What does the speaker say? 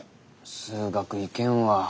数学いけんわ。